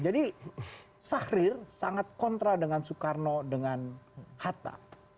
jadi sahrir sangat kontra dengan soekarno dengan hatta